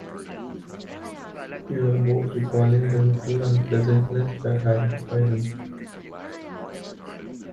We were both recalling the little unpleasantness that had arisen.